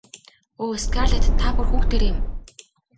Өө Скарлетт та бүр хүүхдээрээ юм.